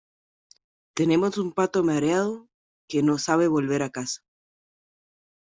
tenemos un pato mareado que no sabe volver a casa